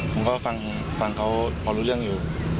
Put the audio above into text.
ผมก็ฟังเขาพอรู้เรื่องอยู่